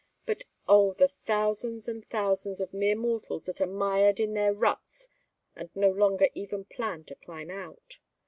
But oh, the thousands and thousands of mere mortals that are mired in their ruts and no longer even plan to climb out!